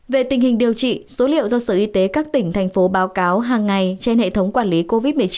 về tình hình điều trị số liệu do sở y tế các tỉnh thành phố báo cáo hàng ngày trên hệ thống quản lý covid một mươi chín